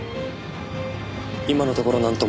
今のところなんとも。